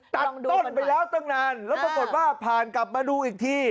ตัดต้นไปแล้วตั้งนานแล้วปรากฏว่าผ่านกลับมาดูอีกที